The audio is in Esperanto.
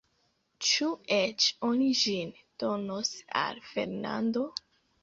Ĉu eĉ oni ĝin donos al Fernando?